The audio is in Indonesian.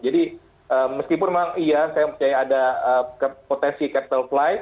jadi meskipun memang iya saya percaya ada potensi capital outflow